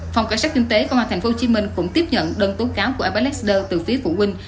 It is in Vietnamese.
phòng cảnh sát kinh tế công an tp hcm cũng tiếp nhận đơn tố cáo của abbax leader từ phía phụ huynh